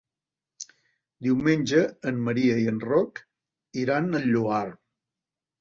Diumenge en Maria i en Roc iran al Lloar.